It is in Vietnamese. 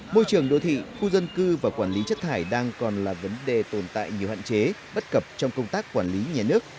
môi trường đô thị khu dân cư và quản lý chất thải đang còn là vấn đề tồn tại nhiều hạn chế bất cập trong công tác quản lý nhà nước